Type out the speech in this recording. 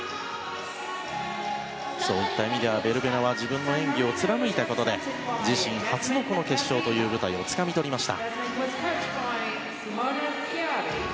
そういった意味では、ベルベナは自分の演技を貫いたことで自身初の決勝という舞台をつかみ取りました。